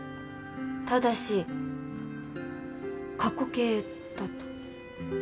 ただし過去形だと。